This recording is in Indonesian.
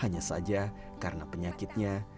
hanya saja karena penyakitnya